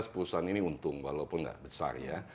dua ribu sembilan belas perusahaan ini untung walaupun gak besar ya